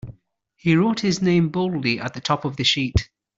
He wrote his name boldly at the top of the sheet.